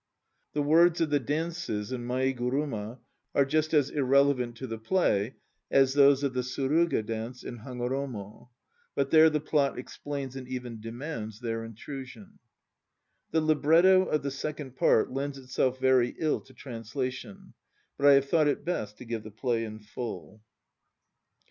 The words of the dances in Maiguruma are just as irrelevant to the play as those of the Suruga Dance in Hagoromo, but there the plot explains and even demands their intrusion. The libretto of the second part lends itself very ill to translation, but I have thought it best to give the play in full.